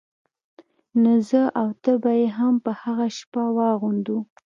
نو زه او ته به يې هم په هغه شپه واغوندو.